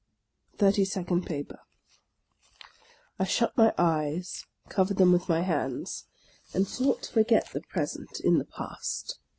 THIRTY SECOND PAPER I SHUT my eyes, covered them with my hands, and sought to forget the present in the past.